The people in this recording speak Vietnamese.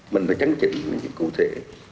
mình phải tránh trị những cụ thể